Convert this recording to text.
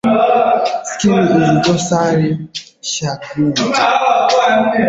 Skin is dorsally shagreened.